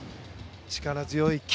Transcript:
力強い金。